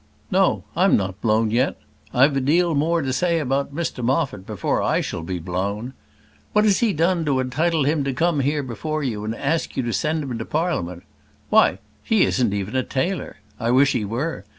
"No, I'm not blown yet. I've a deal more to say about Mr Moffat before I shall be blown. What has he done to entitle him to come here before you and ask you to send him to Parliament? Why; he isn't even a tailor. I wish he were.